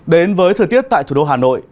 đến với thời tiết tại thủ đô hà nội